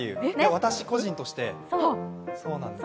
私、個人としてそうなんです。